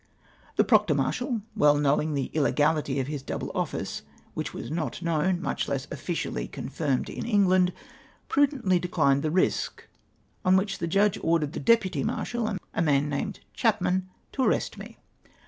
The proctor iiiarshal, well knowing the illegahty of his double office, which was not known — much less 172 INEFFECTUAL ATTEMPTS TO ARREST :\IE. officially confirmed in England — prudently declined tlie risk, on which the Judge ordered the deputy marshal, a man named Chapman, to arrest me.